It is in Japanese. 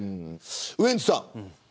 ウエンツさん。